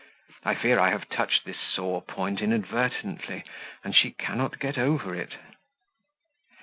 I fear I have touched this sore point inadvertently, and she cannot get over it."